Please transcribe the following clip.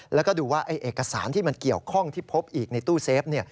แล้วก็ดูว่าเอกสารที่มันเกี่ยวข้องที่พบอีกในตู้เซฟ